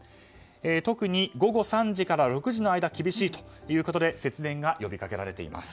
特に午後３時から６時の間が厳しいということで節電が呼びかけられています。